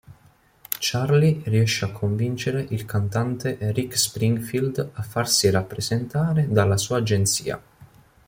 Charlie riesce a convincere il cantante Rick Springfield a farsi rappresentare dalla sua agenzia.